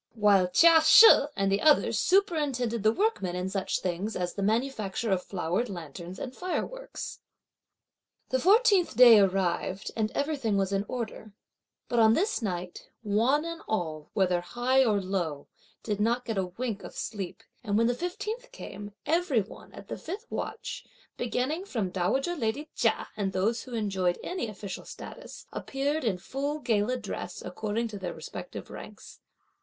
While Chia She and the others superintended the workmen in such things as the manufacture of flowered lanterns and fireworks. The fourteenth day arrived and everything was in order; but on this night, one and all whether high or low, did not get a wink of sleep; and when the fifteenth came, every one, at the fifth watch, beginning from dowager lady Chia and those who enjoyed any official status, appeared in full gala dress, according to their respective ranks.